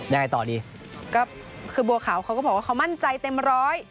ยังไงต่อดีก็คือบัวขาวเขาก็บอกว่าเขามั่นใจเต็มร้อย